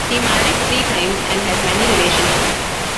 He married three times and had many relationships.